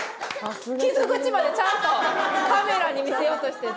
傷口までちゃんとカメラに見せようとして。